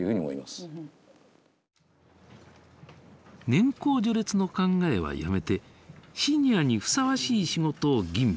年功序列の考えはやめてシニアにふさわしい仕事を吟味戦力化する。